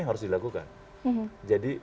yang harus dilakukan jadi